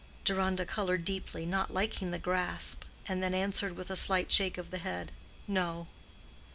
Deronda colored deeply, not liking the grasp, and then answered with a slight shake of the head, "No."